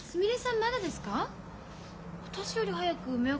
まだですか？